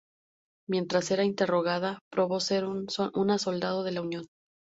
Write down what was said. Mientras era interrogada, probó ser una soldado de la Unión.